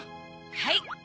はい。